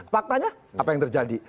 faktanya apa yang terjadi